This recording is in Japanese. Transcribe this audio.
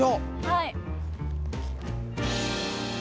はい。